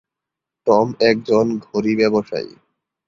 Tom একজন ঘড়ি ব্যবসায়ী।